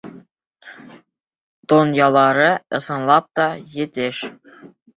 Донъялары, ысынлап та, етеш.